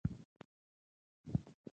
د خير کار لږ زور غواړي؛ خو ثواب ډېر لري.